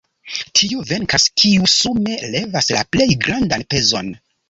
Tiu venkas, kiu sume levas la plej grandan pezon.